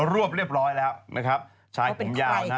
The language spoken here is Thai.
รวบเรียบร้อยแล้วนะครับชายผมยาวนะฮะ